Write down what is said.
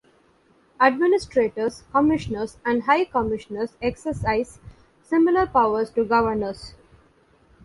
Administrators, Commissioners and High Commissioners exercise similar powers to Governors.